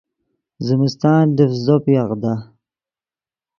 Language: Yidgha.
زمستان لڤز زوپے اغدا